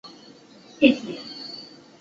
它也是世界上人口第二多的一级行政区。